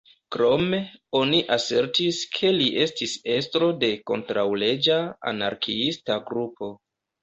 Krome, oni asertis ke li estis estro de kontraŭleĝa anarkiista grupo.